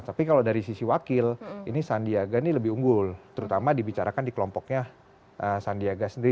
tapi kalau dari sisi wakil ini sandiaga ini lebih unggul terutama dibicarakan di kelompoknya sandiaga sendiri